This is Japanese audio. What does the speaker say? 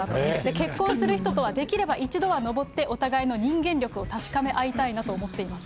結婚する人とは、できれば一度は登ってお互いの人間力を確かめ合いたいなと思っていますと。